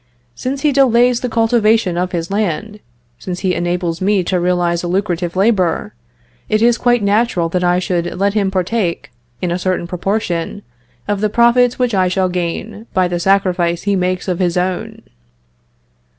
Since he delays the cultivation of his land, since he enables me to realize a lucrative labor, it is quite natural that I should let him partake, in a certain proportion, of the profits which I shall gain by the sacrifice he makes of his own."